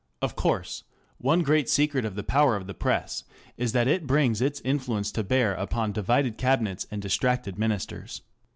Of course, one great secret of the power of the Press is that it brings its influence to bear upon divided Cabinets and distracted Ministers.